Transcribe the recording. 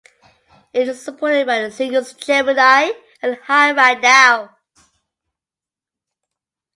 It is supported by the singles "Gemini" and "High Right Now".